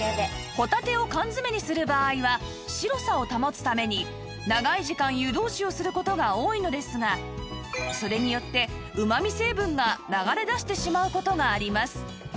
ほたてを缶詰にする場合は白さを保つために長い時間湯通しをする事が多いのですがそれによってうま味成分が流れ出してしまう事があります